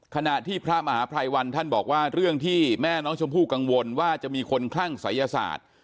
ขณะที่พระมหาภัยวันท่านบอกว่าเรื่องที่แม่น้องชมพู่กังวลว่าจะมีคนคลั่งศัยศาสตร์